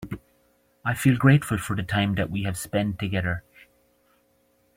I feel grateful for the time that we have spend together.